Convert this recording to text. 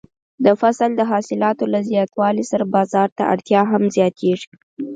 د فصل د حاصلاتو له زیاتوالي سره بازار ته اړتیا هم زیاتیږي.